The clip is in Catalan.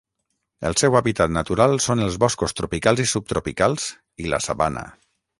El seu hàbitat natural són els boscos tropicals i subtropicals i la sabana.